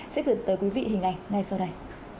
sẽ gửi tới quý vị hình ảnh ngay sau đây